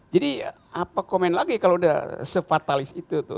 jadi apa komen lagi kalau sudah se fatalis itu tuh